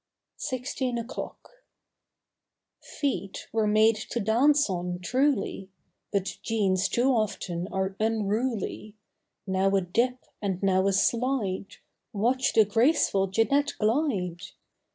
37 i FIFTEEN O'CLOCK 39 SIXTEEN O'CLOCK F eet were made to dance on, truly; But Jean's too often are unruly. Now a dip and now a slide— Watch the graceful Jeanette glide!